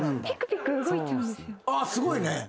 すごいね。